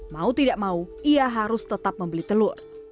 mau tidak mau ia harus tetap membeli telur